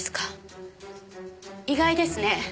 意外ですね。